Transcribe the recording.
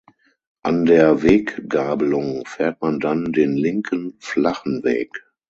An der Weggabelung fährt man dann den linken flachen Weg.